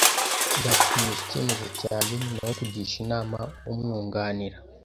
Nzakumenyesha icyemezo cyanjye nyuma yo kugisha inama umwunganira